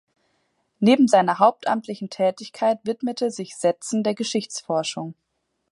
Neben seiner hauptamtlichen Tätigkeit widmete sich Setzen der Geschichtsforschung.